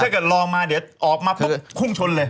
คือถ้าเกิดรอมาเดี๋ยวออกมาปุ๊บคุ่งชนเลย